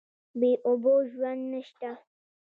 بې اوبو ژوند نشته.